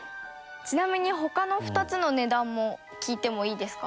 ちなみに他の２つの値段も聞いてもいいですか？